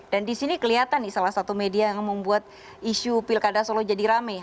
dan di sini kelihatan nih salah satu media yang membuat isu pilkada solo jadi rame